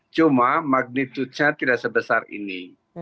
cuma magnitudenya tidak sebesar ini